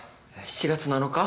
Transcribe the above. ７月７日？